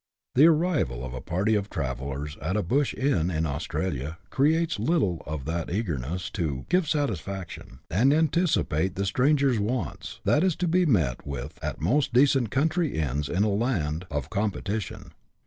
The arrival of a party of travellers at a bush inn in Australia creates little of that eagerness to " give satisfaction " and antici pate the strangers' wants, that is to be met with at most decent country inns in a land of competition.